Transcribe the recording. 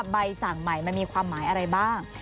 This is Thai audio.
ใบสั่งใหม่มันมีความหมายอะไรบ้าง